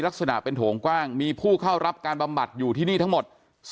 ลักษณะเป็นโถงกว้างมีผู้เข้ารับการบำบัดอยู่ที่นี่ทั้งหมด